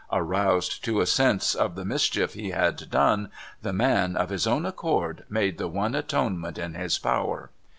Aroused to a sense of the mischief he had done, the man, of his own accord, made the one atonement in his power.